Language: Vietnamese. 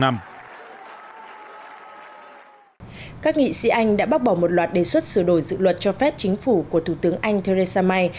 các nghị sĩ anh đã bác bỏ một loạt đề xuất sửa đổi dự luật cho phép chính phủ của thủ tướng anh theresa may